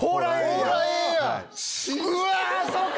うわそうか！